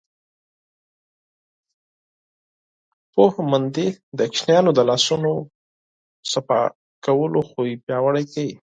تعلیم یافته میندې د ماشومانو د لاسونو پاکولو عادت پیاوړی کوي.